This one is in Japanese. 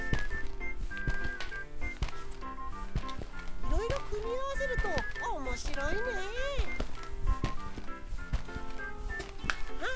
いろいろくみあわせるとおもしろいねハッ！